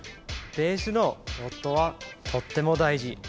ベースの音はとっても大事。